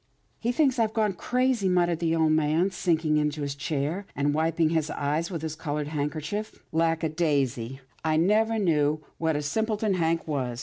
" He thinks I've gone crazy," muttered the old man, sinking into his chair, and wiping his eyes with his coloured handkerchief. " Lack a daisy ! I never knew what a simpleton Hank was.